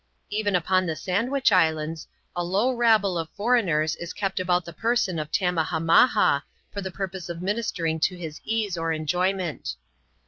Even upon the Sandwich Islands, a low rabble of foreigners is kept about the person of Tammahammaha, for the purpose of ministering to his ease or enjoyment.